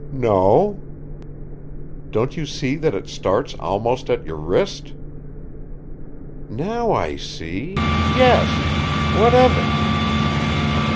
"No." "Don't you see that it starts almost at your wrist?" "Now I see. Yes. What of it?"